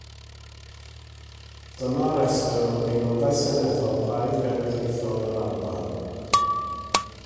Dyma restr o Aelodau Seneddol Plaid Genedlaethol yr Alban.